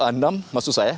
enam maksud saya